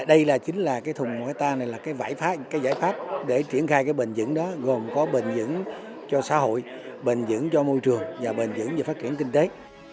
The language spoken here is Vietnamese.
đây là chính là cái thùng ngoại ta này là cái giải pháp để triển khai cái bền dững đó gồm có bền dững cho xã hội bền dững cho môi trường và bền dững cho phát triển kinh tế